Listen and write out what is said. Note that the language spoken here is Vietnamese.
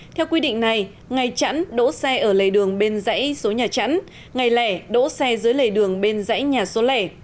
theo quy định này ngày chẵn đỗ xe ở lề đường bên dãy số nhà chẵn ngày lẻ đỗ xe dưới lề đường bên dãy nhà số lẻ